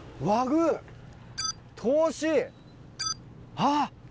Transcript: あっ。